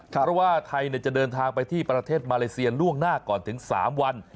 เพราะว่าไทยจะเดินทางไปที่ประเทศมาเลเซียล่วงหน้าก่อนถึง๓วัน